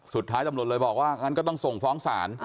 สุดท้ายตำรวจเลยบอกว่างั้นก็ต้องส่งฟ้องศาล